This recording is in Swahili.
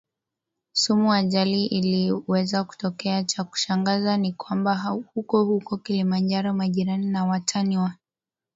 sumu ajali iliweza kutokea Cha kushangaza ni kwamba hukohuko Kilimanjaro majirani na watani wa